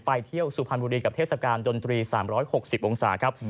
ไปเที่ยวสุพรรณบุรีกับเทศกาลดนตรี๓๖๐องศาครับ